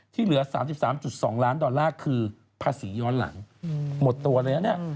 เหลือ๓๓๒ล้านดอลลาร์คือภาษีย้อนหลังหมดตัวเลยนะเนี่ย